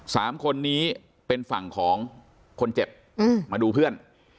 สามคนนี้เป็นฝั่งของคนเจ็บอืมมาดูเพื่อน